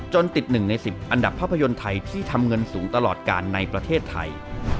ติด๑ใน๑๐อันดับภาพยนตร์ไทยที่ทำเงินสูงตลอดการในประเทศไทย